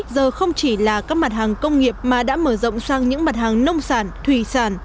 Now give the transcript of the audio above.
giờ không chỉ là các mặt hàng công nghiệp mà đã mở rộng sang những mặt hàng nông sản thủy sản